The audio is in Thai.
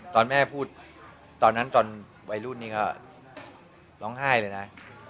ตอนแม่พูดตอนนั้นตอนวัยรุ่นนี่ก็ร้องไห้เลยนะ